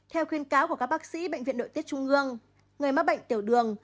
theo khuyến cáo của các bác sĩ bệnh viện đội tiết trung ương người mắc bệnh tiểu đường